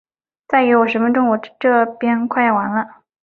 再给我十分钟，我这边快要完了。